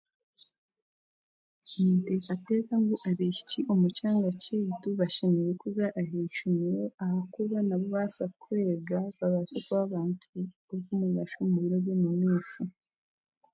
Ninteekateeka ngu abaishiki omu kyanga kyaitu bashemereire kuza aha ishomero ahakuba nabo barabaasa kwega babe abantu b'omugasho omu biro by'omumaisho